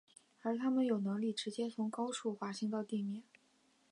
然而它们有能力直接从高处滑行到地面。